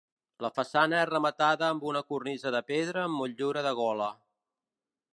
La façana és rematada amb una cornisa de pedra amb motllura de gola.